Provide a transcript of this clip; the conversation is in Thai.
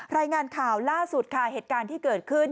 รายงานข่าวล่าสุดค่ะเหตุการณ์ที่เกิดขึ้น